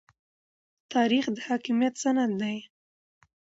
تاریخ د حاکمیت سند دی.